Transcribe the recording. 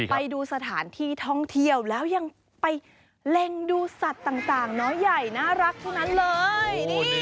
ไปดูสถานที่ท่องเที่ยวแล้วยังไปเล็งดูสัตว์ต่างน้อยใหญ่น่ารักเท่านั้นเลย